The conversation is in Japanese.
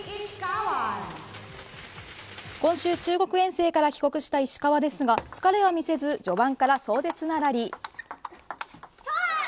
今週中国遠征から帰国した石川ですが疲れは見せず序盤から壮絶なラリー。